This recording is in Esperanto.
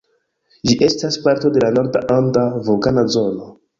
Ĝi estas parto de la Norda Anda Vulkana Zono.